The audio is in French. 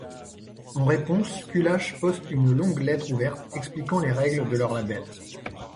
En réponse, Kulash poste une longue lettre ouverte expliquant les règles de leur label.